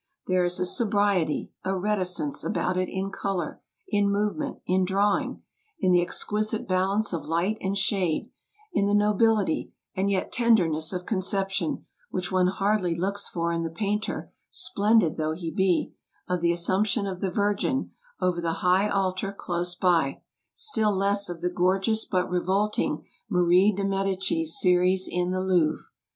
There is a sobriety, a reticence, about it in color, in movement, in drawing, in the exquisite balance of light and shade, in the nobility and yet tenderness of conception, which one hardly looks for in the painter, splendid though he be, of the Assumption of the Virgin over the high altar close by, still less of the gorgeous but revolting Marie de Medicis series in the Louvre.